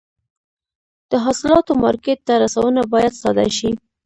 د حاصلاتو مارکېټ ته رسونه باید ساده شي.